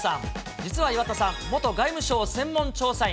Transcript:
実は岩田さん、元外務省専門調査員。